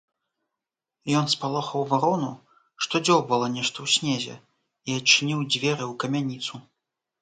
Ён спалохаў варону, што дзёўбала нешта ў снезе, і адчыніў дзверы ў камяніцу.